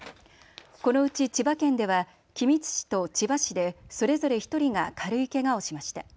このうち、千葉県では君津市と千葉市でそれぞれ１人が軽いけがをしました。